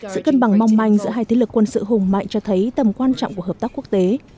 sự cân bằng mong manh giữa hai thế lực quân sự hùng mạnh cho thấy tầm quan trọng của hợp tác quốc tế